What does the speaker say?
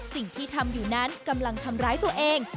สิ่งที่ทำอยู่นั้นกำลังทำร้ายตัวเอง